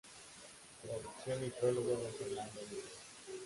Traducción y prólogo de Fernando Millán.